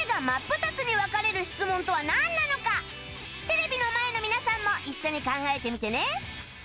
テレビの前の皆さんも一緒に考えてみてね